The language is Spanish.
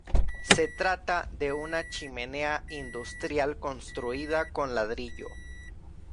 Se trata de una chimenea industrial construida con ladrillo.